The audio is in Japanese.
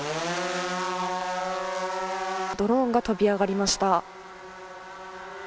ドローンが飛び上がりました。